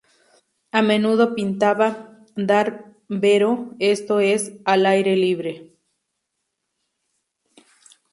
A menudo pintaba "dal vero", esto es, al aire libre.